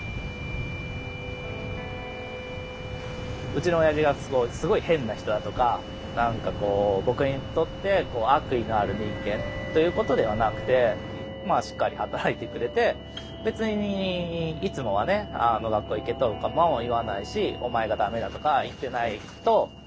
うちのおやじがすごい変な人だとか何かこう僕にとって悪意のある人間ということではなくてしっかり働いてくれて別にいつもはね学校行けとかも言わないしお前が駄目だとか行ってないと大人になれないとかね